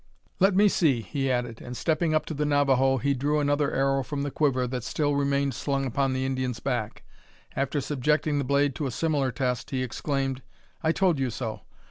"Let me see," he added; and, stepping up to the Navajo, he drew another arrow from the quiver that still remained slung upon the Indian's back. After subjecting the blade to a similar test, he exclaimed "I told you so.